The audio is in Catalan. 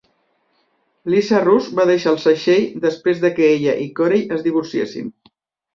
Lisa Rusk va deixar el segell després de que ella i Corey es divorciessin.